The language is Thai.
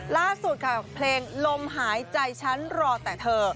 ล่าสุดค่ะเพลงลมหายใจฉันรอแต่เธอ